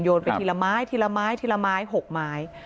ไปทีละไม้ทีละไม้ทีละไม้๖ไม้